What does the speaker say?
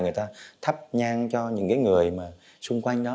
người ta thắp nhang cho những người xung quanh đó